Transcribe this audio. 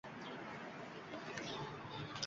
Etining bir jimirlashi bor.